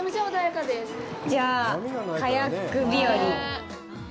じゃあ、カヤック日和？